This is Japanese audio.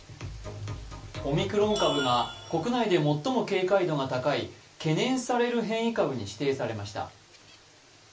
オミクロン株が国内で最も警戒度が高い懸念される変異株に指定されました。